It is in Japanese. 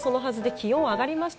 気温が上がりました。